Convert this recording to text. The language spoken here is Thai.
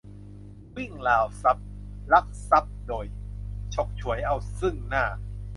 - วิ่งราวทรัพย์ ลักทรัพย์โดย ฉกฉวยเอาซึ่งหน้า